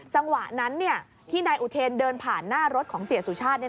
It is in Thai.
จังหวะนั้นที่นายอุเทนเดินผ่านหน้ารถของเสียสุชาติ